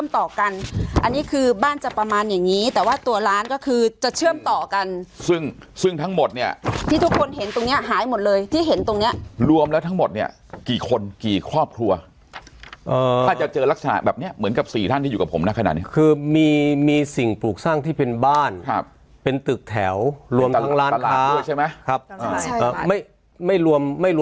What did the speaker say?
ต่อกันอันนี้คือบ้านจะประมาณอย่างงี้แต่ว่าตัวร้านก็คือจะเชื่อมต่อกันซึ่งซึ่งทั้งหมดเนี่ยที่ทุกคนเห็นตรงเนี้ยหายหมดเลยที่เห็นตรงเนี้ยรวมแล้วทั้งหมดเนี่ยกี่คนกี่ครอบครัวถ้าจะเจอลักษณะแบบเนี้ยเหมือนกับสี่ท่านที่อยู่กับผมนะขนาดนี้คือมีมีสิ่งปลูกสร้างที่เป็นบ้านครับเป็นตึกแถวรวมทั้งร้านร้านด้วยใช่ไหมครับ